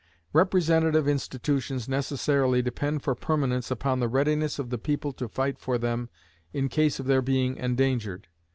Representative institutions necessarily depend for permanence upon the readiness of the people to fight for them in case of their being endangered.